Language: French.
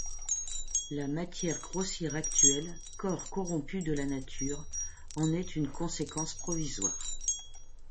La matière grossière actuelle, corps corrompu de la nature, en est une conséquence provisoire.